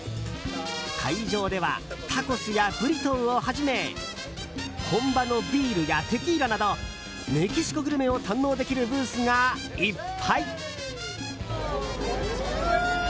会場ではタコスやブリトーをはじめ本場のビールやテキーラなどメキシコグルメを堪能できるブースがいっぱい！